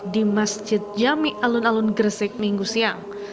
di masjid jami alun alun gresik minggu siang